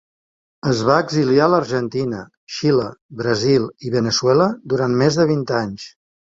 Es va exiliar a l'Argentina, Xile, Brasil i Veneçuela durant més de vint anys.